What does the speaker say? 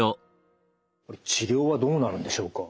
治療はどうなるんでしょうか？